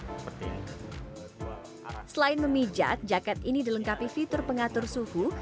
selain memijat jaket ini dilengkapi fitur pengatur suhu